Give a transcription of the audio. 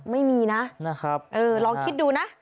ไม่มีนะนะครับเออลองคิดดูนะ